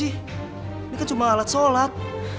ini kan cuma alat sholat